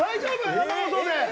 生放送で。